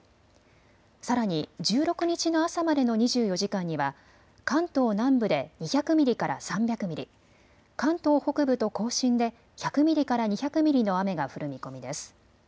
さらに１６日の朝までの２４時間には関東南部で２００ミリから３００ミリ、関東北部と甲信で１００ミリから２００ミリの雨が降る見込みです。